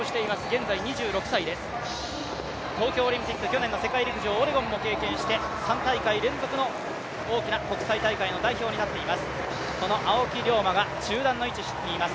現在２６歳です、東京オリンピック、去年の世界陸上オレゴンも経験して、３大会連続の大きな国際大会の代表になっています、この青木涼真が中断の位置にいます。